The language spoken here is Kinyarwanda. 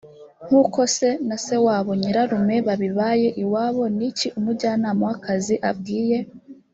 nk uko se na se wabo nyirarume babibaye iwabo ni iki umujyanama w akazi abwiye